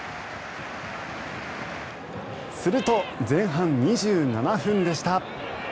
すると、前半２７分でした。